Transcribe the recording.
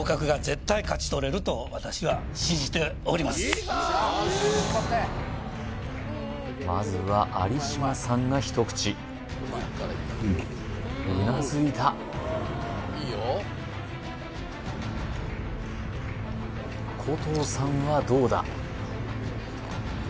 うん？としてあのまずは有島さんが一口うなずいた古藤さんはどうだ？